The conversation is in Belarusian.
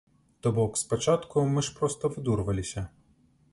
То бок спачатку мы ж проста выдурваліся.